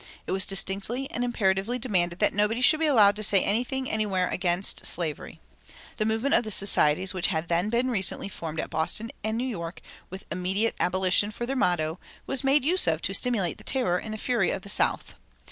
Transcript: It was distinctly and imperatively demanded that nobody should be allowed to say anything anywhere against slavery. The movement of the societies which had then been recently formed at Boston and New York, with 'Immediate abolition' for their motto, was made use of to stimulate the terror and the fury of the South....